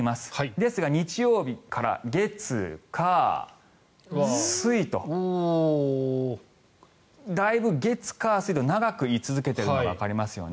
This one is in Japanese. ですが日曜日から、火水とだいぶ月火水と長く居続けているのがわかりますよね。